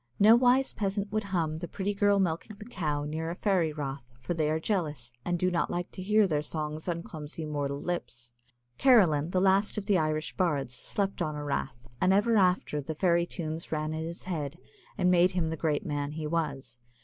No wise peasant would hum "The Pretty Girl milking the Cow" near a fairy rath, for they are jealous, and do not like to hear their songs on clumsy mortal lips. Carolan, the last of the Irish bards, slept on a rath, and ever after the fairy tunes ran in his head, and made him the great man he was.